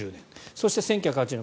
そして、１９８０年。